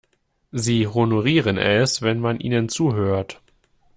Sie honorieren es, wenn man ihnen zuhört.